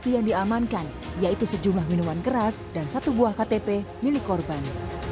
yang diamankan yaitu sejumlah minuman keras dan satu buah ktp milik korban